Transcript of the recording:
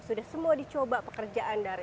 sudah semua dicoba pekerjaan dari